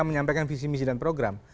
menyampaikan visi misi dan program